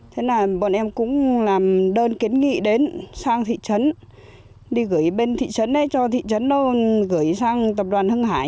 thế là bọn em cũng làm đơn kiến nghị đến sang thị trấn đi gửi bên thị trấn đấy cho thị trấn gửi sang tập đoàn hưng hải